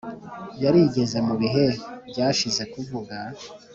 Yarigeze mu bihe byashize kuvuga